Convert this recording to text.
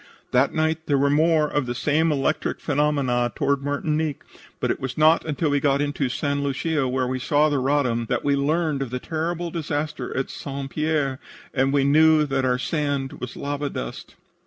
"That night there were more of the same electric phenomena toward Martinique, but it was not until we got into St. Lucia, where we saw the Roddam, that we learned of the terrible disaster at St. Pierre, and then we knew that our sand was lava dust."